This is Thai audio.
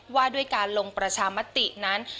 ว่าด้วยการลงประชามตินั้น